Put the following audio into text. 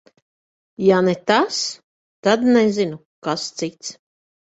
Ja ne tas, tad nezinu, kas cits.